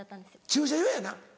駐車場やな。